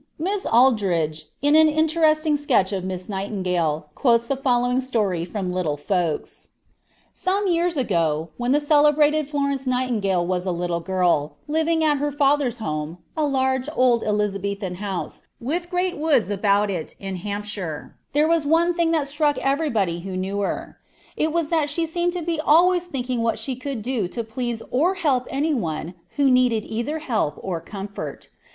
Miss Alldridge, in an interesting sketch of Miss Nightingale, quotes the following story from Little Folks: "Some years ago, when the celebrated Florence Nightingale was a little girl, living at her father's home, a large, old Elizabethan house, with great woods about it, in Hampshire, there was one thing that struck everybody who knew her. It was that she seemed to be always thinking what she could do to please or help any one who needed either help or comfort.